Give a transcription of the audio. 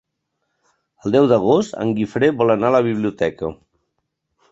El deu d'agost en Guifré vol anar a la biblioteca.